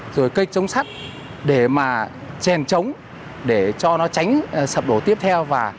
rồi cây chống sắt để mà chèn chống để cho nó tránh sập đổ tiếp theo